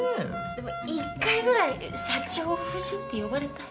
でも１回ぐらい「社長夫人」って呼ばれたい。